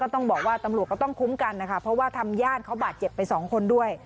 ต้องบอกว่าตำรวจก็ต้องคุ้มกันนะคะเพราะว่าทำญาติเขาบาดเจ็บไปสองคนด้วย